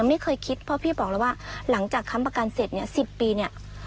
ไม่เคยคิดเพราะพี่บอกแล้วว่าหลังจากค้ำประกันเสร็จเนี่ย๑๐ปีเนี่ย